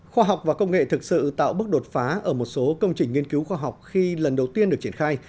khoa học và công nghệ thực sự tạo bước đột phá ở một số công trình nghiên cứu khoa học khi lần đầu tiên được triển khai